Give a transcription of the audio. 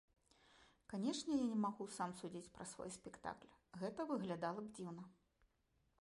Канечне, я не магу сам судзіць пра свой спектакль, гэта выглядала б дзіўна.